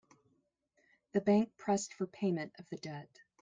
The bank pressed for payment of the debt.